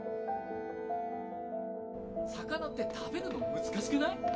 魚って食べるの難しくない？